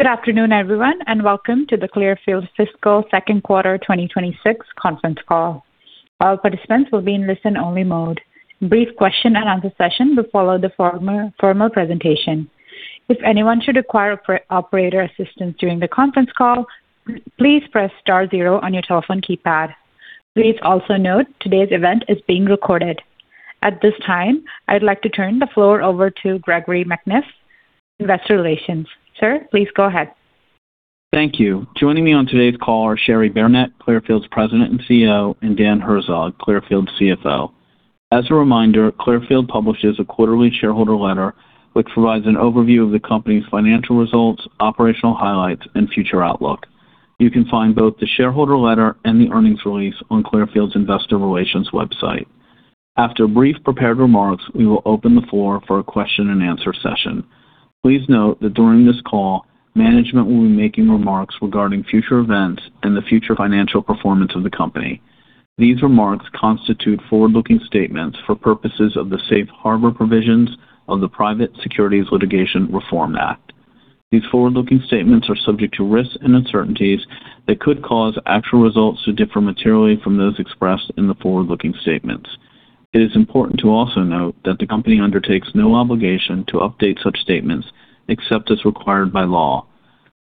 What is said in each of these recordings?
Good afternoon, everyone, and welcome to the Clearfield fiscal second quarter 2026 conference call. All participants will be in listen-only mode. Brief question-and-answer session will follow the formal presentation. If anyone should require operator assistance during the conference call, please press star zero on your telephone keypad. Please also note today's event is being recorded. At this time, I'd like to turn the floor over to Gregory McNiff, investor relations. Sir, please go ahead. Thank you. Joining me on today's call are Cheri Beranek, Clearfield's President and CEO, and Dan Herzog, Clearfield's CFO. As a reminder, Clearfield publishes a quarterly shareholder letter which provides an overview of the company's financial results, operational highlights, and future outlook. You can find both the shareholder letter and the earnings release on Clearfield's investor relations website. After a brief prepared remarks, we will open the floor for a question-and-answer session. Please note that during this call, management will be making remarks regarding future events and the future financial performance of the company. These remarks constitute forward-looking statements for purposes of the safe harbor provisions of the Private Securities Litigation Reform Act. These forward-looking statements are subject to risks and uncertainties that could cause actual results to differ materially from those expressed in the forward-looking statements. It is important to also note that the company undertakes no obligation to update such statements except as required by law.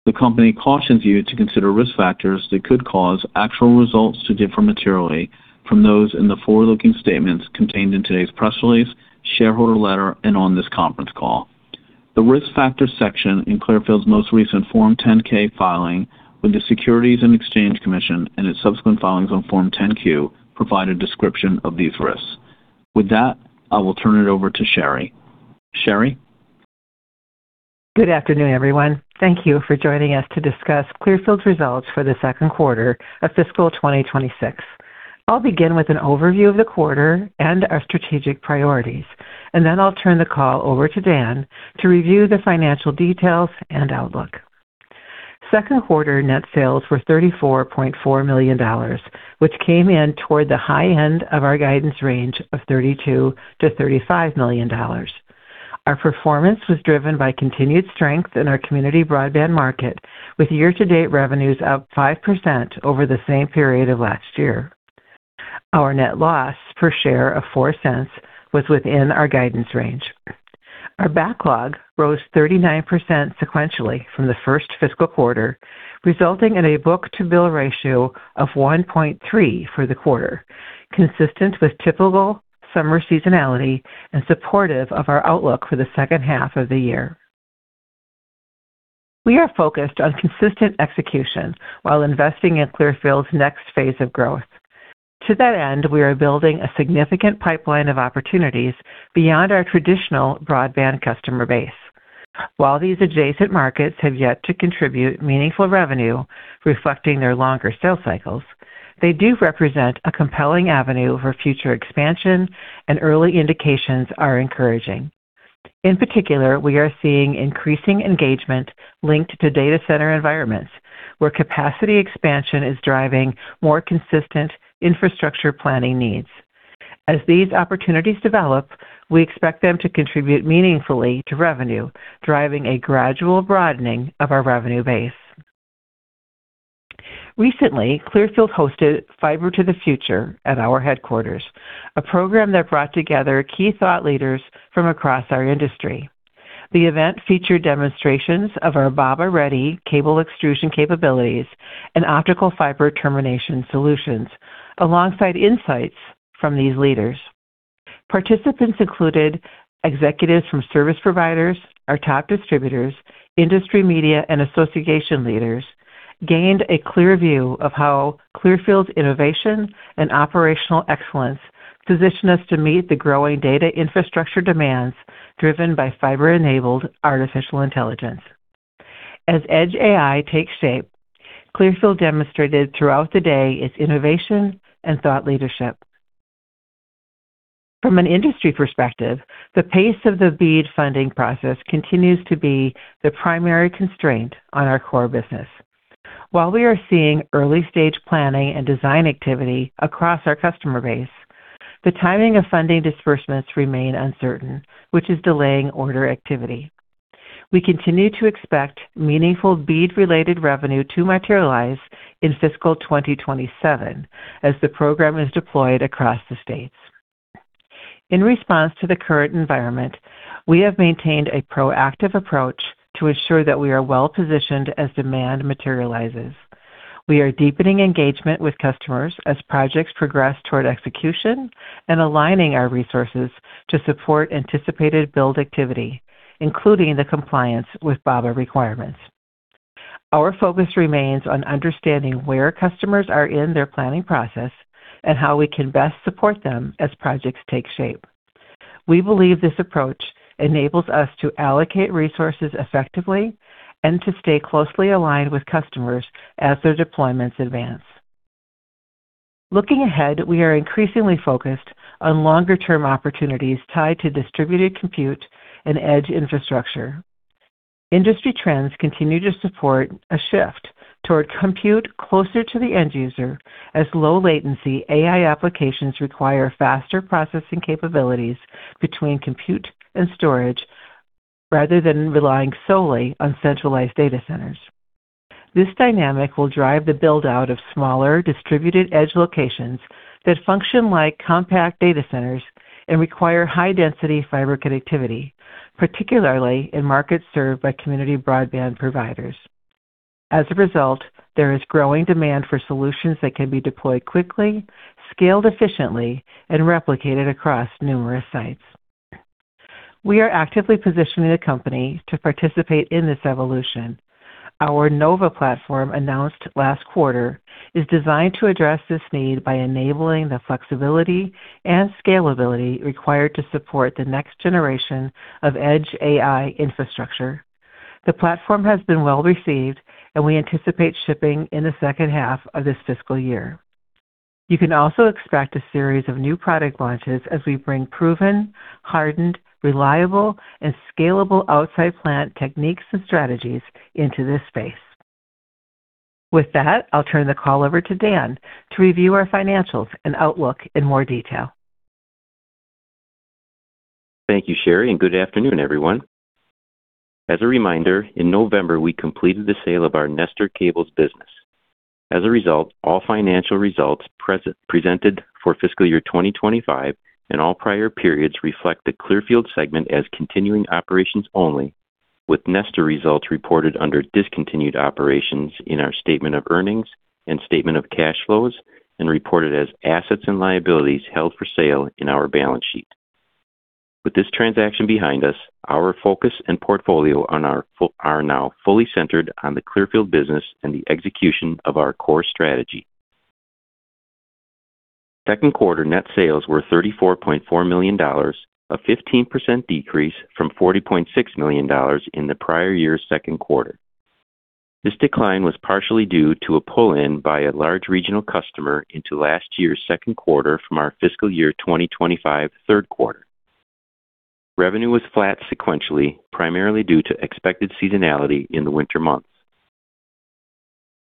The company cautions you to consider risk factors that could cause actual results to differ materially from those in the forward-looking statements contained in today's press release, shareholder letter, and on this conference call. The Risk Factors section in Clearfield's most recent Form 10-K filing with the Securities and Exchange Commission and its subsequent filings on Form 10-Q provide a description of these risks. With that, I will turn it over to Cheri. Cheri? Good afternoon, everyone. Thank you for joining us to discuss Clearfield's results for the second quarter of fiscal 2026. I'll begin with an overview of the quarter and our strategic priorities, and then I'll turn the call over to Dan to review the financial details and outlook. Second quarter net sales were $34.4 million, which came in toward the high end of our guidance range of $32 million-$35 million. Our performance was driven by continued strength in our community broadband market, with year-to-date revenues up 5% over the same period of last year. Our net loss per share of $0.04 was within our guidance range. Our backlog rose 39% sequentially from the first fiscal quarter, resulting in a book-to-bill ratio of 1.3 for the quarter, consistent with typical summer seasonality and supportive of our outlook for the second half of the year. We are focused on consistent execution while investing in Clearfield's next phase of growth. To that end, we are building a significant pipeline of opportunities beyond our traditional broadband customer base. While these adjacent markets have yet to contribute meaningful revenue, reflecting their longer sales cycles, they do represent a compelling avenue for future expansion, and early indications are encouraging. In particular, we are seeing increasing engagement linked to data center environments where capacity expansion is driving more consistent infrastructure planning needs. As these opportunities develop, we expect them to contribute meaningfully to revenue, driving a gradual broadening of our revenue base. Recently, Clearfield hosted Fiber to the Future at our headquarters, a program that brought together key thought leaders from across our industry. The event featured demonstrations of our BABA-ready cable extrusion capabilities and optical fiber termination solutions, alongside insights from these leaders. Participants included executives from service providers, our top distributors, industry media, and association leaders gained a clear view of how Clearfield's innovation and operational excellence position us to meet the growing data infrastructure demands driven by fiber-enabled artificial intelligence. As Edge AI takes shape, Clearfield demonstrated throughout the day its innovation and thought leadership. From an industry perspective, the pace of the BEAD funding process continues to be the primary constraint on our core business. While we are seeing early-stage planning and design activity across our customer base, the timing of funding disbursements remain uncertain, which is delaying order activity. We continue to expect meaningful BEAD-related revenue to materialize in fiscal 2027 as the program is deployed across the states. In response to the current environment, we have maintained a proactive approach to ensure that we are well-positioned as demand materializes. We are deepening engagement with customers as projects progress toward execution and aligning our resources to support anticipated build activity, including the compliance with BABA requirements. Our focus remains on understanding where customers are in their planning process and how we can best support them as projects take shape. We believe this approach enables us to allocate resources effectively and to stay closely aligned with customers as their deployments advance. Looking ahead, we are increasingly focused on longer-term opportunities tied to distributed compute and edge infrastructure. Industry trends continue to support a shift toward compute closer to the end user as low latency AI applications require faster processing capabilities between compute and storage, rather than relying solely on centralized data centers. This dynamic will drive the build-out of smaller distributed edge locations that function like compact data centers and require high density fiber connectivity, particularly in markets served by community broadband providers. As a result, there is growing demand for solutions that can be deployed quickly, scaled efficiently, and replicated across numerous sites. We are actively positioning the company to participate in this evolution. Our NOVA platform announced last quarter is designed to address this need by enabling the flexibility and scalability required to support the next generation of Edge AI infrastructure. The platform has been well received, and we anticipate shipping in the second half of this fiscal year. You can also expect a series of new product launches as we bring proven, hardened, reliable, and scalable outside plant techniques and strategies into this space. With that, I'll turn the call over to Dan to review our financials and outlook in more detail. Thank you, Cheri, and good afternoon, everyone. As a reminder, in November, we completed the sale of our Nestor Cables business. As a result, all financial results presented for fiscal year 2025 and all prior periods reflect the Clearfield segment as continuing operations only, with Nestor results reported under discontinued operations in our statement of earnings and statement of cash flows and reported as assets and liabilities held for sale in our balance sheet. With this transaction behind us, our focus and portfolio are now fully centered on the Clearfield business and the execution of our core strategy. Second quarter net sales were $34.4 million, a 15% decrease from $40.6 million in the prior year's second quarter. This decline was partially due to a pull-in by a large regional customer into last year's second quarter from our fiscal year 2025 third quarter. Revenue was flat sequentially, primarily due to expected seasonality in the winter months.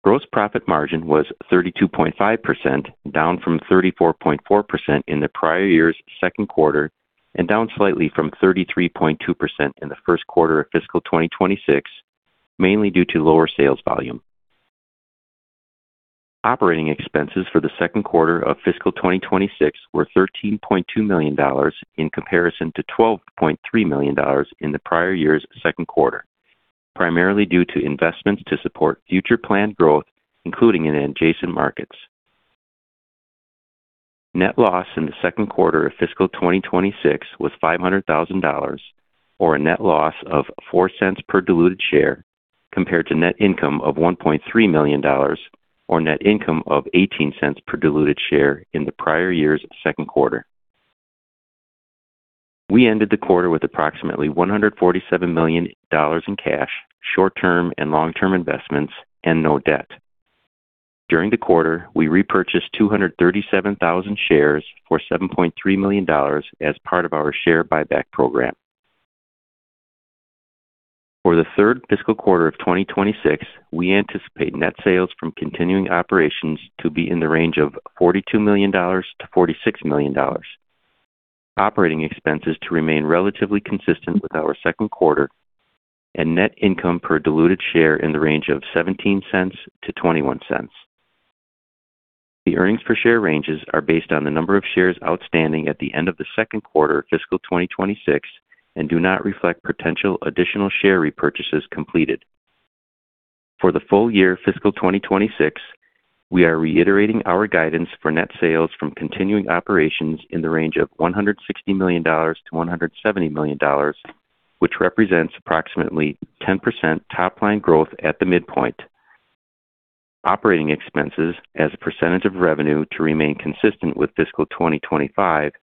Gross profit margin was 32.5%, down from 34.4% in the prior year's second quarter and down slightly from 33.2% in the first quarter of fiscal 2026, mainly due to lower sales volume. Operating expenses for the second quarter of fiscal 2026 were $13.2 million in comparison to $12.3 million in the prior year's second quarter, primarily due to investments to support future planned growth, including in adjacent markets. Net loss in the second quarter of fiscal 2026 was $500,000 or a net loss of $0.04 per diluted share compared to net income of $1.3 million or net income of $0.18 per diluted share in the prior year's second quarter. We ended the quarter with approximately $147 million in cash, short-term and long-term investments and no debt. During the quarter, we repurchased 237,000 shares for $7.3 million as part of our share buyback program. For the third fiscal quarter of 2026, we anticipate net sales from continuing operations to be in the range of $42 million-$46 million. Operating expenses to remain relatively consistent with our second quarter and net income per diluted share in the range of $0.17-$0.21. The earnings per share ranges are based on the number of shares outstanding at the end of the second quarter of fiscal 2026 and do not reflect potential additional share repurchases completed. For the full year fiscal 2026, we are reiterating our guidance for net sales from continuing operations in the range of $160 million-$170 million, which represents approximately 10% top-line growth at the midpoint. Operating expenses as a percentage of revenue to remain consistent with fiscal 2025,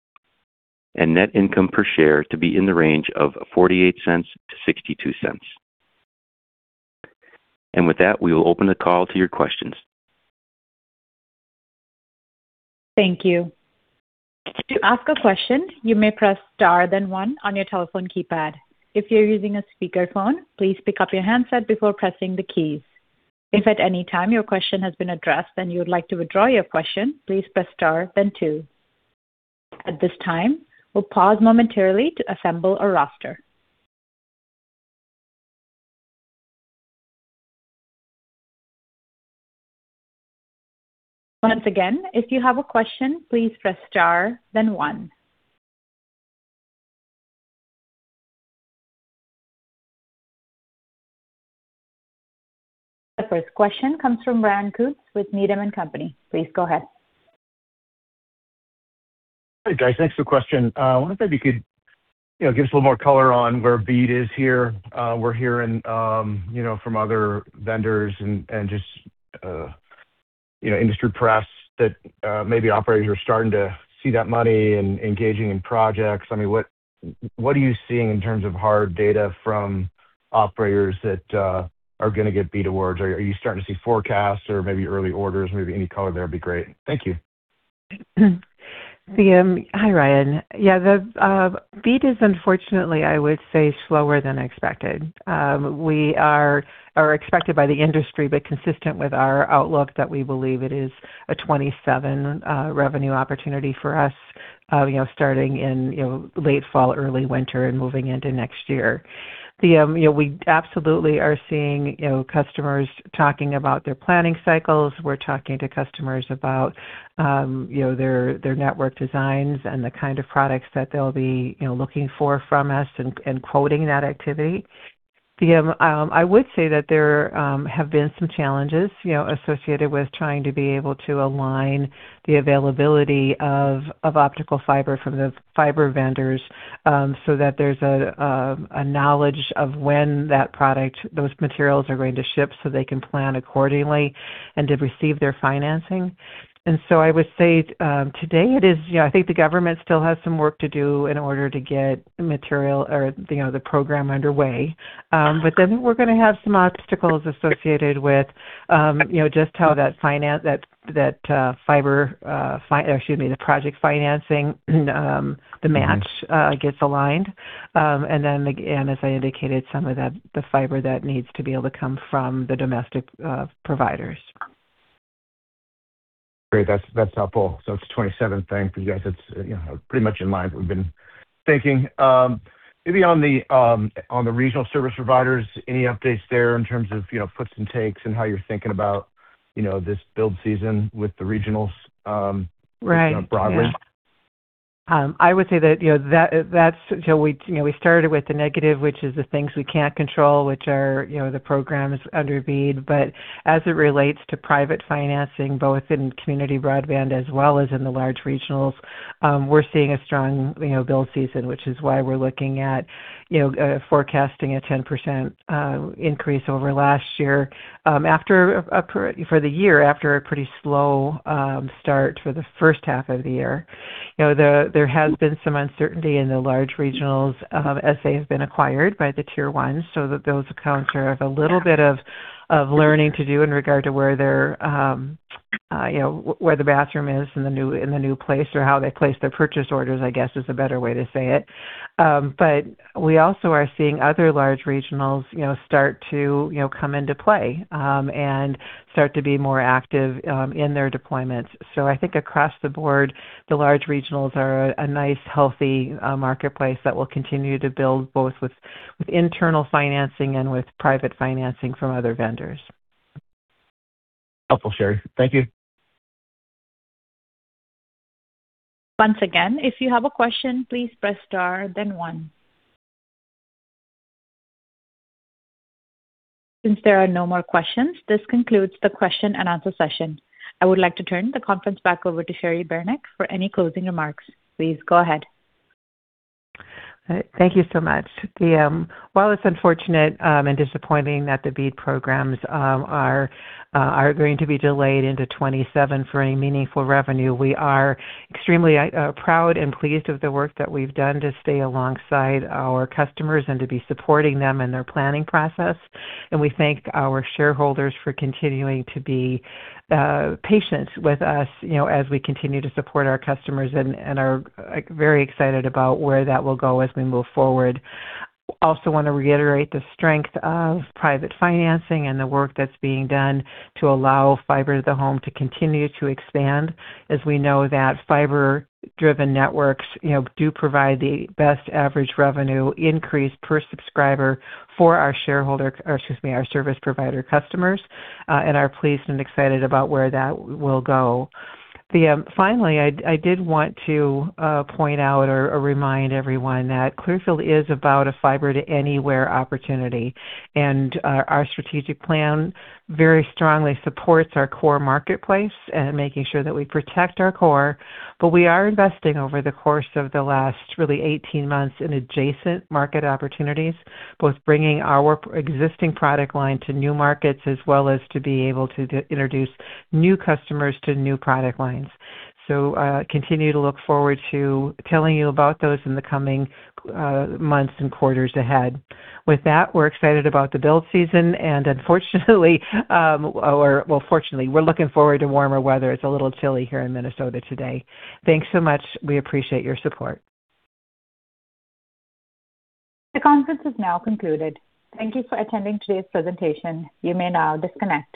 net income per share to be in the range of $0.48-$0.62. With that, we will open the call to your questions. Thank you. To ask a question, you may press star then one on your telephone keypad. If you're using a speakerphone, please pick up your handset before pressing the keys. If at any time your question has been addressed and you would like to withdraw your question, please press star then two. At this time, we'll pause momentarily to assemble a roster. Once again, if you have a question, please press star then one. The first question comes from Ryan Koontz with Needham and Company. Please go ahead. Hey, guys. Thanks for the question. I wonder if you could, you know, give us a little more color on where BEAD is here. We're hearing, you know, from other vendors and just, you know, industry press that maybe operators are starting to see that money and engaging in projects. I mean, what are you seeing in terms of hard data from operators that are gonna get BEAD awards? Are you starting to see forecasts or maybe early orders? Maybe any color there would be great. Thank you. Hi, Ryan. Yeah, the BEAD is unfortunately, I would say, slower than expected. We are, or expected by the industry, but consistent with our outlook that we believe it is a 27 revenue opportunity for us, you know, starting in, you know, late fall, early winter, and moving into next year. The, you know, we absolutely are seeing, you know, customers talking about their planning cycles. We're talking to customers about, you know, their network designs and the kind of products that they'll be, you know, looking for from us and quoting that activity. The, I would say that there have been some challenges, you know, associated with trying to be able to align the availability of optical fiber from the fiber vendors, so that there's a knowledge of when that product, those materials are going to ship so they can plan accordingly and to receive their financing. So I would say, today you know, I think the government still has some work to do in order to get material or, you know, the program underway. We're gonna have some obstacles associated with, you know, just how that fiber, or excuse me, the project financing, the match, gets aligned. Again, as I indicated, some of the fiber that needs to be able to come from the domestic providers. Great. That's helpful. It's 27 for you guys. It's, you know, pretty much in line with what we've been thinking. Maybe on the regional service providers, any updates there in terms of, you know, puts and takes and how you're thinking about, you know, this build season with the regionals? Right, yeah. you know, broadly? I would say that, you know, that's so we, you know, we started with the negative, which is the things we can't control, which are, you know, the programs under BEAD. As it relates to private financing, both in community broadband as well as in the large regionals, we're seeing a strong, you know, build season, which is why we're looking at, you know, forecasting a 10% increase over last year, for the year after a pretty slow start for the first half of the year. You know, there has been some uncertainty in the large regionals, as they have been acquired by the tier 1s, so that those accounts have a little bit of learning to do in regard to where their, you know, where the bathroom is in the new, in the new place or how they place their purchase orders, I guess is a better way to say it. We also are seeing other large regionals, you know, start to, you know, come into play, and start to be more active in their deployments. I think across the board, the large regionals are a nice, healthy marketplace that will continue to build both with internal financing and with private financing from other vendors. Helpful, Cheri. Thank you. Once again, if you have a question, please press star then one. Since there are no more questions, this concludes the question and answer session. I would like to turn the conference back over to Cheri Beranek for any closing remarks. Please go ahead. All right. Thank you so much. While it's unfortunate and disappointing that the BEAD programs are going to be delayed into 2027 for any meaningful revenue, we are extremely proud and pleased of the work that we've done to stay alongside our customers and to be supporting them in their planning process. We thank our shareholders for continuing to be patient with us, you know, as we continue to support our customers and are, like, very excited about where that will go as we move forward. Also want to reiterate the strength of private financing and the work that's being done to allow fiber to the home to continue to expand, as we know that fiber-driven networks, you know, do provide the best average revenue increase per subscriber for our shareholder, or excuse me, our service provider customers, and are pleased and excited about where that will go. Finally, I did want to point out or remind everyone that Clearfield is about a fiber to anywhere opportunity, and our strategic plan very strongly supports our core marketplace and making sure that we protect our core. We are investing over the course of the last really 18 months in adjacent market opportunities, both bringing our existing product line to new markets as well as to be able to introduce new customers to new product lines. Continue to look forward to telling you about those in the coming months and quarters ahead. With that, we're excited about the build season and fortunately, we're looking forward to warmer weather. It's a little chilly here in Minnesota today. Thanks so much. We appreciate your support. The conference has now concluded. Thank you for attending today's presentation. You may now disconnect.